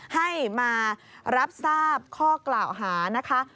ให้มารับทราบข้อกล่าวหานะคะ